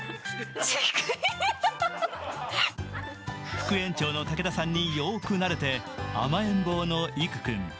副園長の竹田さんによく慣れて、甘えん坊の育君。